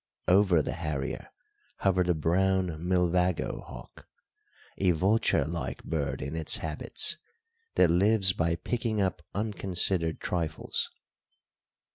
Over the harrier hovered a brown milvago hawk, a vulture like bird in its habits, that lives by picking up unconsidered trifles.